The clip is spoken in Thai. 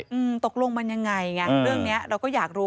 อืมตกลงมันยังไงไงเรื่องเนี้ยเราก็อยากรู้